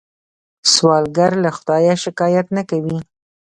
سوالګر له خدایه شکايت نه کوي